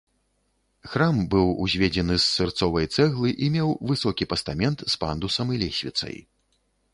Храм быў узведзены з сырцовай цэглы і меў высокі пастамент з пандусам і лесвіцай.